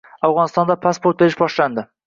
Afg‘onistonda pasport berish boshlandi